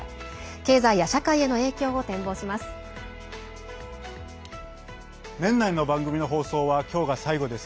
経済や社会への影響を展望します。